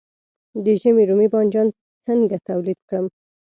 د ژمي رومي بانجان څنګه تولید کړم؟